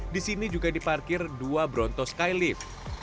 di sini juga diparkir dua bronto skylift